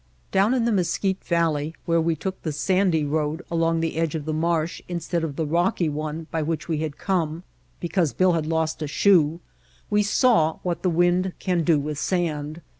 Down in the Mesquite Valley, where we took the sandy road along the edge of the marsh in stead of the rocky one by which we had come because Bill had lost a shoe, w^e saw what the wind can do with sand.